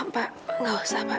pak gak usah pak